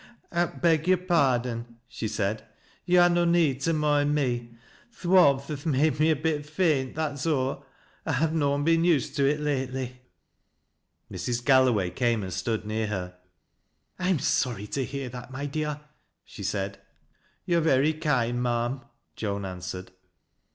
" I beg yore pardon," she said. " Yo' ha' no need t( rtioind me. Th' warmth has made me a bit faint, that') aw. I've noan been used to it lately." ASBLET WOLJJ. 261 Mrs. Galloway came and stood near her. " I am sorry to hear that, my dear," she said. " Yo're very kind, ma'am," Joan answered.